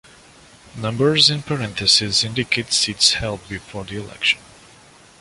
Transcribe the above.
Numbers in parentheses indicate seats held before the election.